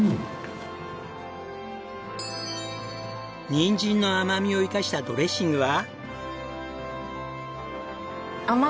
ニンジンの甘みを生かしたドレッシングは。